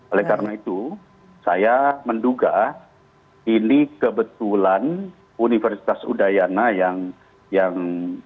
oleh karena itu saya menduga ini kebetulan universitas udayana yang